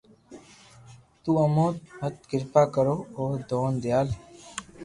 تو امو نت ڪرپا ڪرو او دون ديال